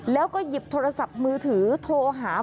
แล้วก็หยิบโทรศัพท์มือถือโทรหา